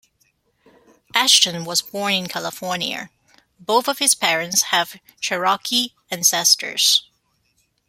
Ashton was born in California; both of his parents have Cherokee ancestors.